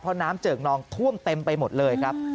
เพราะน้ำเจิกนองท่วมเต็มไปหมดเลยครับ